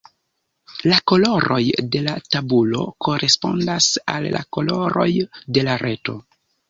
La koloroj de la tabulo korespondas al la koloroj de la reto.